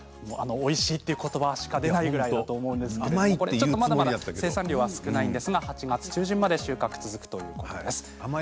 おいしいということばしか出ないぐらいだと思うんですがまだまだ生産量が少ないんですが８月中旬まで収穫が続くそうです。